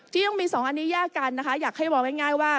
ที่ต้องมี๒อันนี้แยกกันนะคะอยากให้มองง่ายว่า